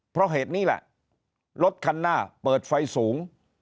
เพราะเหตุนี้แหละรถคันหน้าเปิดไฟสูง